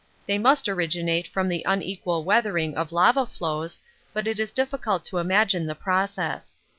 They must originate from the unequal weathering of lava flows, but it is difficult to imagine the process.